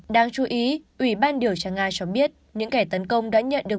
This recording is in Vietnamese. đáng chú ý ủy ban điều tra nga cho biết những kẻ tấn công đã nhận được